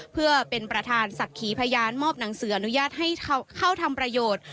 เพื่อเป็นประธานศักดิ์ขีพยานมอบหนังสืออนุญาตให้เข้าทำประโยชน์